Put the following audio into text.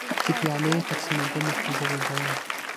چې پیالې تقسیمېدلې زه ویده وم.